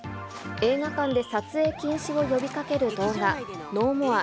映画館で撮影禁止を呼びかける動画、ＮＯＭＯＲＥ